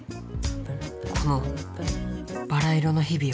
このバラ色の日々を。